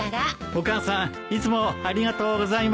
お母さんいつもありがとうございます。